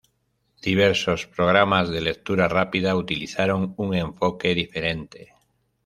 Diversos programas de lectura rápida utilizaron un enfoque diferente.